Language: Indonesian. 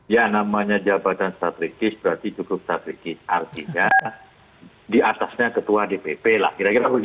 ya namanya jabatan strategis berarti cukup strategis artinya diatasnya ketua dpp lah kira kira begitu